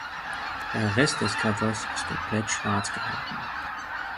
Der Rest des Covers ist komplett schwarz gehalten.